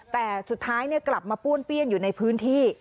แต่สุดท้ายกลับมาป้วนเปี้ยนอยู่ในพื้นที่